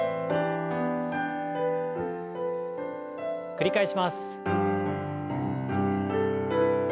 繰り返します。